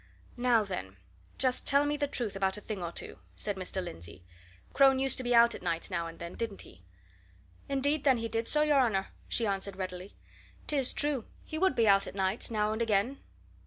"Now, then, just tell me the truth about a thing or two," said Mr. Lindsey. "Crone used to be out at nights now and then, didn't he?" "Indeed, then, he did so, your honour," she answered readily. "'Tis true, he would be out at nights, now and again."